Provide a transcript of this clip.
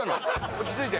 落ち着いて。